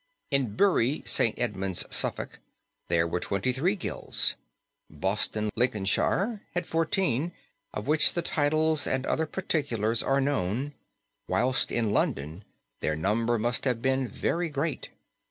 In Bury St. Edmunds, Suffolk, there were twenty three guilds; Boston, Lincolnshire, had fourteen, of which the titles and other particulars are known, whilst in London their number must have been very great.